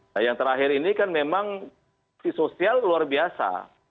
nah yang terakhir ini kan memang si sosial luar biasa